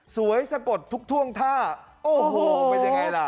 สะกดทุกท่วงท่าโอ้โหเป็นยังไงล่ะ